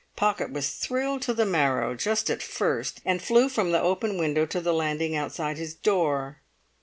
Pocket was thrilled to the marrow just at first, and flew from the open window to the landing outside his door.